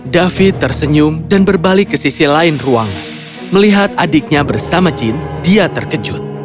david tersenyum dan berbalik ke sisi lain ruang melihat adiknya bersama jin dia terkejut